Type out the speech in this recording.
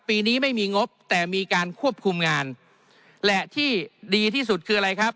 ปีนี้ไม่มีงบแต่มีการควบคุมงานและที่ดีที่สุดคืออะไรครับ